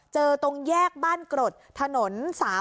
เจอตรงแยกบ้านกรดถนน๓๕๖